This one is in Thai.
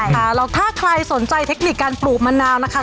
ค่ะแล้วถ้าใครสนใจเทคนิคการปลูกมะนาวนะคะ